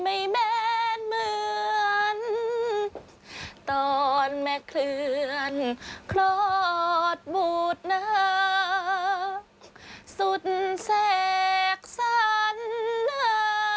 แม่นเหมือนตอนแม่เคลื่อนคลอดบูดนาสุดแสกสันนา